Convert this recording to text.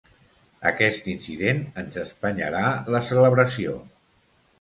Aquest incident ens espenyarà la celebració.